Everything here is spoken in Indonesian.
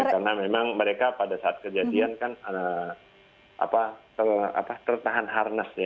karena memang mereka pada saat kejadian kan tertahan harnas